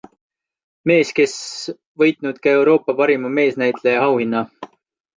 Mees, kes võitnud ka Euroopa parima meesnäitleja auhinna.